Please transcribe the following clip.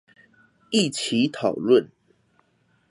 一起討論